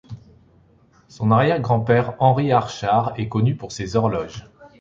Son arrière-grand-père Henry Archard est connu pour ses horloges.